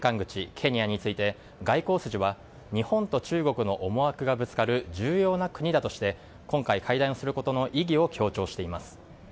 ケニアについて外交筋は日本と中国の思惑がぶつかる重要な国だとして今回、会談することの意義を強調しています。